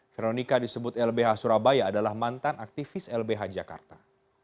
veronica disebut lbh surabaya adalah mantan aktivis lbh jakarta